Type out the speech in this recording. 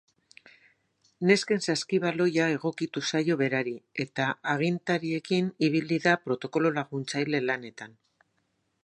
Nesken saskibaloia egokitu zaio berari, eta agintariekin ibili da protokolo laguntzaile lanetan.